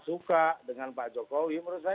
suka dengan pak jokowi menurut saya